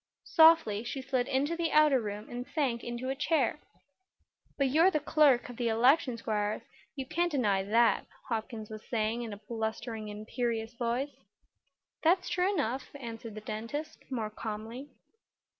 Softly she slid into the outer room and sank into a chair. "But you're the clerk of the election, Squiers; you can't deny that," Hopkins was saying in a blustering, imperious voice. "That's true enough," answered the dentist, more calmly.